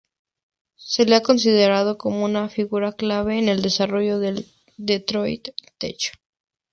Se le ha considerado como una figura clave en el desarrollo del detroit techno.